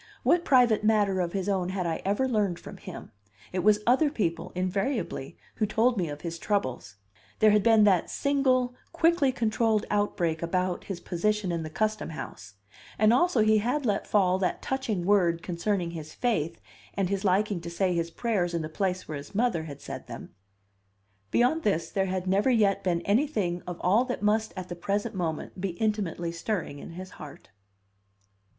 What private matter of his own had I ever learned from him? It was other people, invariably, who told me of his troubles. There had been that single, quickly controlled outbreak about his position in the Custom House, and also he had let fall that touching word concerning his faith and his liking to say his prayers in the place where his mother had said them; beyond this, there had never yet been anything of all that must at the present moment be intimately stirring in his heart.